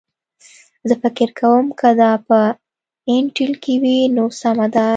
زه فکر کوم که دا په انټیل کې وي نو سمه ده